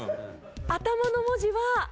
頭の文字は「キ」。